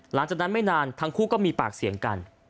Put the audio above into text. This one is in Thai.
หลังจากนั้นไม่นานทั้งคู่ก็มีปากเสียงกัน